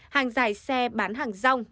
hàng dài xe bán hàng rong